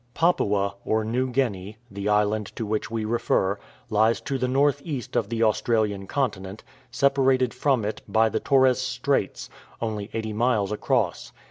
Papua, or New Guinea, the island to which we refer, lies to the north east of the Australian continent, separated from it by the Torres Straits, only eighty miles across.